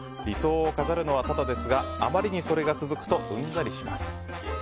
理想を語るのはタダですがあまりにそれが続くとうんざりします。